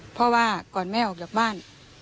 เพราะว่าก่อนแม่ออกจากบ้าน